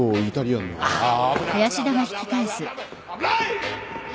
危ない！